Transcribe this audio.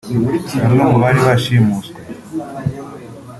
Bamwe mu bari bashimuswe